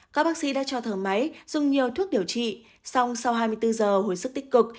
các bác sĩ đã cho thở máy dùng nhiều thuốc điều trị song sau hai mươi bốn giờ hồi sức tích cực